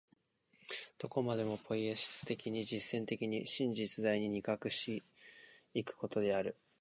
どこまでもポイエシス的に、実践的に、真実在に肉迫し行くことである。